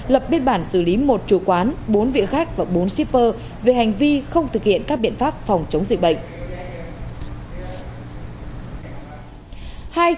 lập biên bản xử lý một chủ quán bốn vị khách và bốn shipper về hành vi không thực hiện các biện pháp phòng chống dịch bệnh